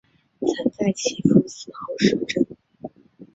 曾在其夫死后摄政。